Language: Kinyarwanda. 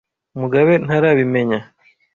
Mugabe ntarabimenya.